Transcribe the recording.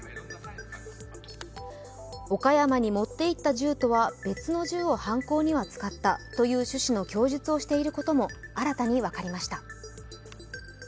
岡山に持っていった銃とは別の銃を犯行に使ったという趣旨の供述をしていることも新たに分かりました。